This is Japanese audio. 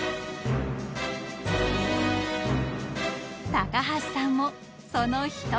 ［高橋さんもその一人］